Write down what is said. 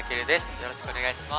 よろしくお願いします。